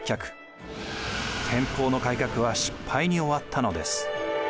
天保の改革は失敗に終わったのです。